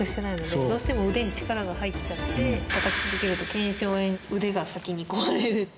どうしても腕に力が入っちゃって、たたき続けるとけんしょう炎、腕が先に壊れる。